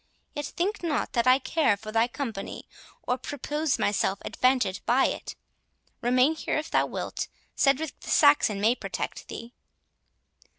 Yet think not that I care for thy company, or propose myself advantage by it; remain here if thou wilt—Cedric the Saxon may protect thee."